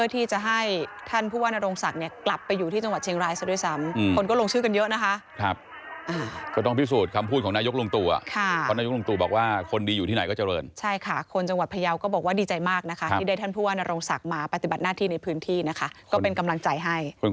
ท่านผู้ว่านโรงศักดิ์กลับไปอยู่ที่จังหวัดเชียงรายซะด้วยซ้ำคนก็ลงชื่อกันเยอะนะคะ